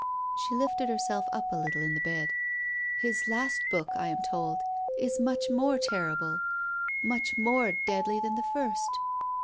She lifted herself up a little in the bed. " His last book, I am told, is much more ter rible, much more deadly than the first."